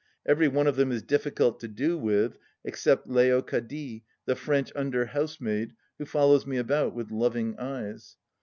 Every one of them is difficult to do with except Ltocadie, the French under housemaid, who follows me about with loving eyes.